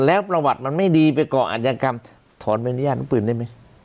แล้วประวัติมันไม่ดีไปก่ออัธยกรรมถอนใบอนุญาตอาวุธปืนได้ไหม